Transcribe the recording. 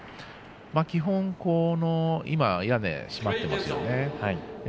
基本、今屋根、閉まっていますよね。